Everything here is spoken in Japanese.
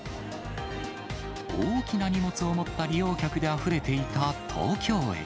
大きな荷物を持った利用客であふれていた東京駅。